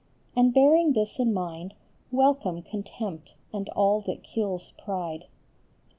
And bearing this in mind, welcome contempt and all that kills pride.